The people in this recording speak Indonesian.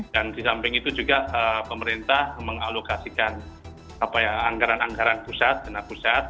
dan di samping itu juga pemerintah mengalokasikan angkaran angkaran pusat dana pusat